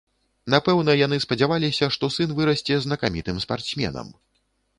Напэўна, яны спадзяваліся, што сын вырасце знакамітым спартсменам.